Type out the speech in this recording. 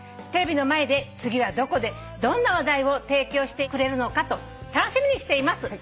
「テレビの前で次はどこでどんな話題を提供してくれるのかと楽しみにしています」